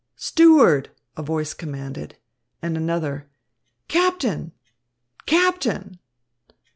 Steward!" a voice commanded; and another, "Captain! Captain!"